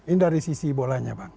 ini dari sisi bolanya bang